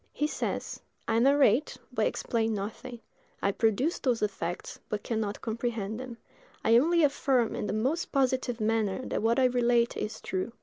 He says: "I narrate, but explain nothing; I produced those effects, but can not comprehend them; I only affirm in the most positive manner that what I relate is true.